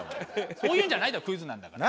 そういうのじゃないだろクイズなんだから。